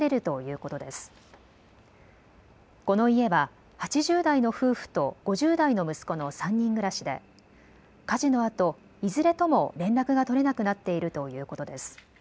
この家は８０代の夫婦と５０代の息子の３人暮らしで火事のあといずれとも連絡が取れなくなっているということです。